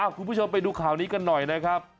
คุณผู้ชมไปดูข่าวนี้กันหน่อยนะครับ